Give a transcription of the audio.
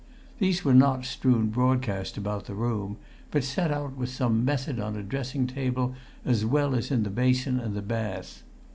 These were not strewn broadcast about the room, but set out with some method on a dressing table as well as in the basin and the bath.